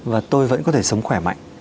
và tôi vẫn có thể sống khỏe mạnh